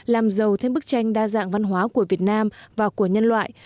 làm giàu thêm bức tranh đa dạng văn hóa của việt nam và của nhân loại